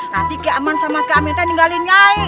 nanti ke aman sama ke amin teh ninggalin nyai